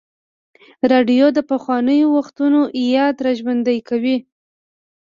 راډیو د پخوانیو وختونو یاد راژوندی کوي.